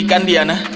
tidak nyaman diana